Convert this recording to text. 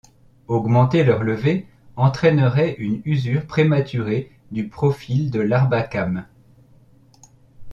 Augmenter leur levée entraînerait une usure prématurée du profil de l'arbre à cames.